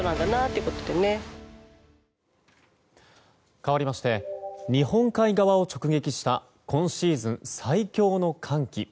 かわりまして日本海側を直撃した今シーズン最強の寒気。